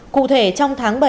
cụ thể trong tháng bảy